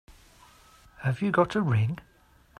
Have you got a ring?